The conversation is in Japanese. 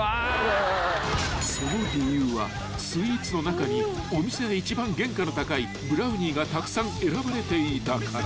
［その理由はスイーツの中にお店で一番原価の高いブラウニーがたくさん選ばれていたから］